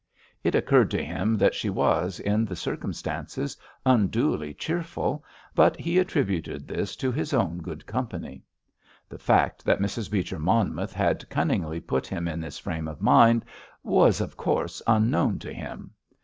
It occurred to him that she was, in the circumstances, unduly cheerful, but he attributed this to his own good company. The fact that Mrs. Beecher Monmouth had cunningly put him in this frame of mind was, of course, unknown to him.